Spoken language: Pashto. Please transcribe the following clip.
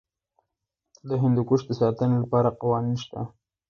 د هندوکش د ساتنې لپاره قوانین شته.